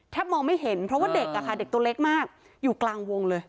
มองไม่เห็นเพราะว่าเด็กอะค่ะเด็กตัวเล็กมากอยู่กลางวงเลย